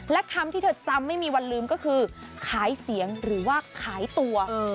และคำที่เธอจำไม่มีวันลืมก็คือขายเสียงหรือว่าขายตัว